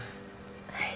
はい。